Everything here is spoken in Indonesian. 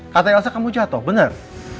kata elsa kamu jatuh benar